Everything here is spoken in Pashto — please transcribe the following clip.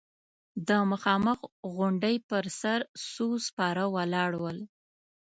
د مخامخ غونډۍ پر سر څو سپاره ولاړ ول.